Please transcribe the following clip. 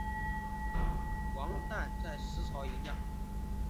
王掞在石槽迎驾。